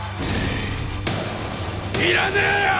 いらねえよ！